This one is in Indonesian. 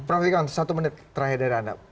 praktikan satu menit terakhir dari anda